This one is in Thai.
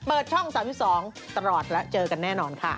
เปิดช่อง๓๒ตลอดและเจอกันแน่นอนค่ะ